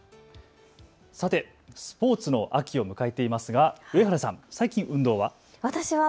さてスポーツの秋を迎えていますが上原さん、最近、運動は？